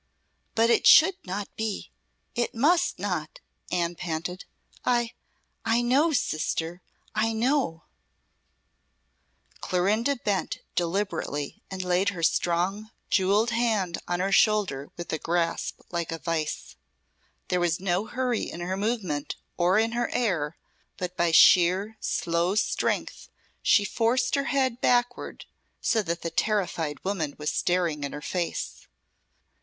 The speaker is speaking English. "But it should not be it must not!" Anne panted. "I I know, sister, I know " Clorinda bent deliberately and laid her strong, jewelled hand on her shoulder with a grasp like a vice. There was no hurry in her movement or in her air, but by sheer, slow strength she forced her head backward so that the terrified woman was staring in her face.